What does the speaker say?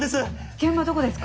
現場どこですか？